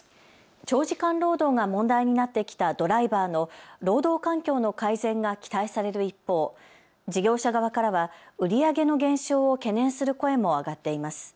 長時間労働が問題になってきたドライバーの労働環境の改善が期待される一方、事業者側からは売り上げの減少を懸念する声も上がっています。